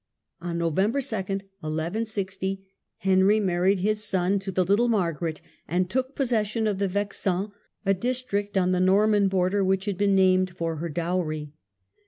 On November 2, 1160, Henry married his son to the little Margaret and took possession of the Vexin, a district on the Norman border which had been named for her dowry.